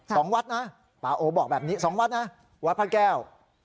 สองวัดนะป่าโอบอกแบบนี้สองวัดนะวัดพระแก้ว